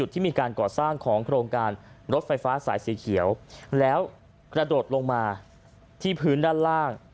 ที่มีการก่อสร้างของโครงการรถไฟฟ้าสายสีเขียวแล้วกระโดดลงมาที่พื้นด้านล่าง